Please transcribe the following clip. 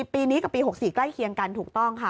ปีนี้กับปี๖๔ใกล้เคียงกันถูกต้องค่ะ